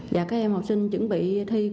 và các em học sinh chuẩn bị thiết kế